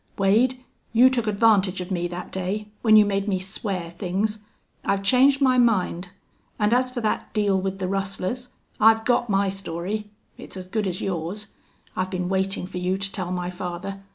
"Wade, you took advantage of me that day when you made me swear things. I've changed my mind.... And as for that deal with the rustlers, I've got my story. It's as good as yours. I've been waiting for you to tell my father.